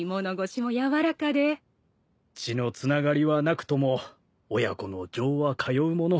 血のつながりはなくとも親子の情は通うもの。